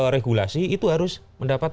regulasi itu harus mendapat